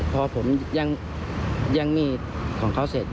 พอผมแย่งมีดของเขาเสร็จ